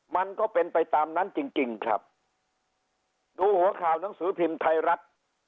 มันก็เป็นไปตามนั้นจริงจริงครับดูหัวข่าวหนังสือพิมพ์ไทยรัฐ